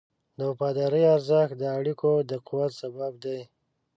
د وفادارۍ ارزښت د اړیکو د قوت سبب دی.